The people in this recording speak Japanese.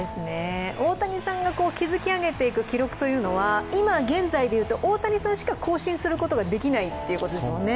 大谷さんが築き上げていく記録というのは、今現在でいとう大谷さんしか更新することができないということですもんね。